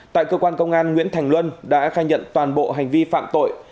tại cơ quan công an nguyễn thành luân đã khai nhận toàn bộ hành vi phạm tội